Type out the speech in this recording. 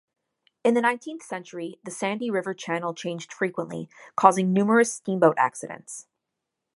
In the nineteenth century, the sandy river channel changed frequently, causing numerous steamboat accidents.